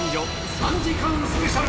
３時間スペシャル！